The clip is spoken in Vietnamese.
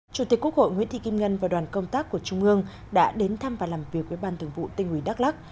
chủ tịch quốc hội nguyễn thị kim ngân và đoàn công tác của trung ương đã đến thăm và làm việc với ban thường vụ tình ủy đắk lắc